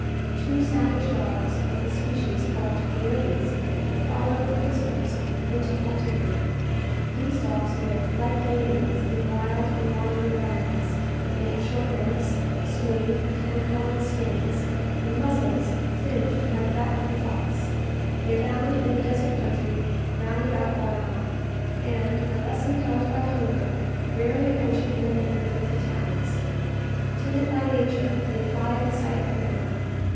Two savage dogs, of the species called coyotes, had followed the prisoners into captivity. These dogs live, like the Indians, in wild and wandering bands. They have short legs, smooth tan coloured skins, and muzzles fringed like that of the fox. They abound in the desert country round about Oregon, and, unless impelled by hunger, rarely venture in the neighbourhood of the towns. Timid by nature, they fly at sight of man.